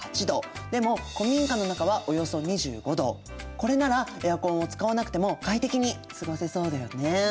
これならエアコンを使わなくても快適に過ごせそうだよね。